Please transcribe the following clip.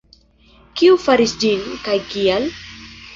Kiu faris ĝin, kaj kial?